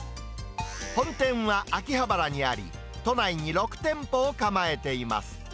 本店は秋葉原にあり、都内に６店舗を構えています。